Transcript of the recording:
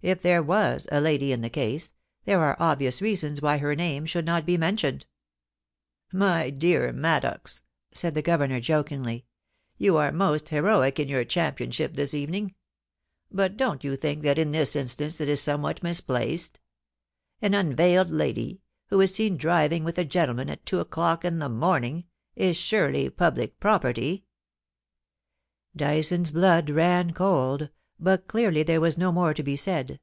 If there vas a lady in the case, there are obvious reasons why her name should not be mentioned' 'My dear MaiJdox,' said the Governor, jokingly, 'you are most heroic in your championship this evening; but don't you think that in this instance it is somewhat misplaced? An unveiled lady, who is seen driving with a gendeman at two o'clock in the morning, is surely public property.' Dyson's blood ran cold, but clearly there was no more to be said.